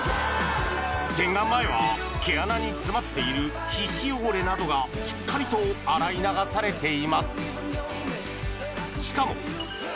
洗顔前は毛穴に詰まっている皮脂汚れなどがしっかりと洗い流されています